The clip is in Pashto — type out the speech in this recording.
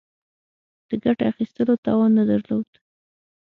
د ګټې اخیستلو توان نه درلود.